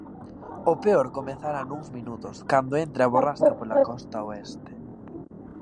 O peor comezará nuns minutos, cando entre a borrasca pola costa oeste.